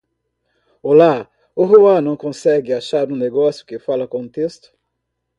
Olá, o Ruan não consegue achar um negócio que fala com texto.